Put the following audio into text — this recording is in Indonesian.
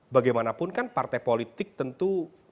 bagaimanapun kan partai politik tentu